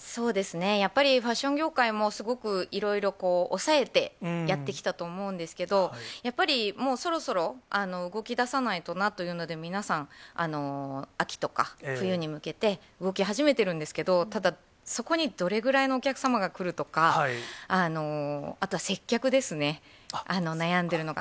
やっぱりファッション業界もすごくいろいろ抑えてやってきたと思うんですけど、やっぱり、もうそろそろ動きださないとなというので、皆さん、秋とか、冬に向けて動き始めてるんですけど、ただそこにどれぐらいのお客様が来るとか、あとは接客ですね、悩んでるのが。